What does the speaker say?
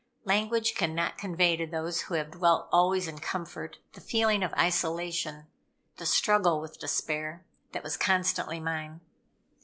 Language cannot convey to those who have dwelt always in comfort the feeling of isolation, the struggle with despair, that was constantly mine.